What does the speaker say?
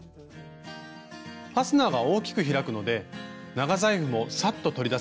ファスナーが大きく開くので長財布もサッと取り出せますよ。